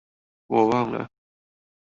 我忘了